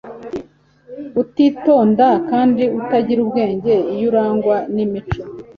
utitonda kandi utagira ubwenge iyo arangwa nimico